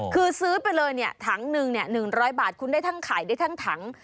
คือซื้อไปเลยเนี่ยถังหนึ่ง๑๐๐บาทคุณได้ทั้งไข่ได้ทั้งถัง